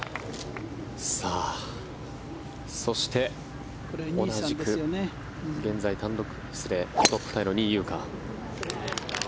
そして、同じく現在トップタイの仁井優花。